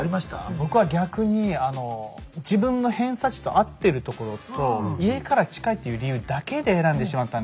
僕は逆に自分の偏差値と合ってるところと家から近いっていう理由だけで選んでしまったんですよね京都大学。